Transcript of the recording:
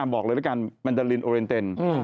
บอกเลยละกันมันจะลินโอเรนเต็น